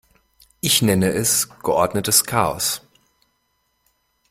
Ich nenne es geordnetes Chaos.